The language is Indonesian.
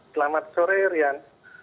selamat sore rian